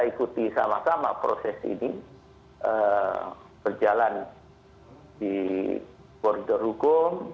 kita ikuti sama sama proses ini berjalan di border hukum